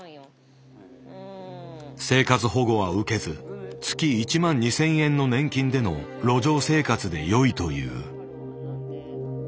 生活保護は受けず月１万２，０００円の年金での路上生活でよいという。